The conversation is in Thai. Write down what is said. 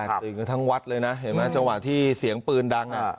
จริงกันทั้งวัดเลยนะเห็นไหมจังหวะที่เสียงปืนดังอ่ะ